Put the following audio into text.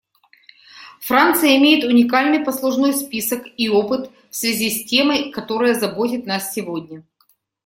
Франция имеет уникальный послужной список и опыт в связи темой, которая заботит нас сегодня.